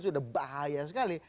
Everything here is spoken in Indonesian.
sudah bahaya sekali